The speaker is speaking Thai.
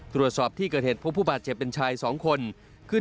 ตรวจสอบที่เกิดเห็นผู้ผู้บาดเจ็บเป็นชาย๒คนคือ